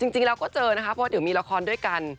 จริงแล้วก็เจอนะคะเพราะเดี๋ยวมีละครด้วยกัน